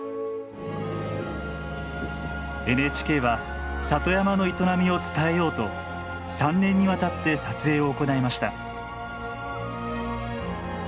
ＮＨＫは里山の営みを伝えようと３年にわたって撮影を行いました。